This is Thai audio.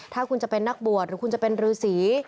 ถ้าคุณจะเป็นนักบวชหรือคุณจะเป็นรือสี